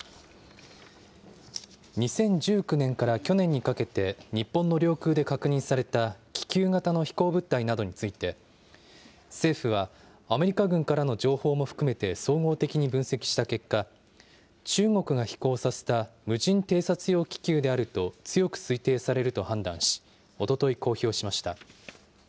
２０１９年から去年にかけて、日本の領空で確認された気球型の飛行物体などについて、政府はアメリカ軍からの情報も含めて総合的に分析した結果、中国が飛行させた無人偵察用気球であると強く推定されると判断し、おととい公表しました。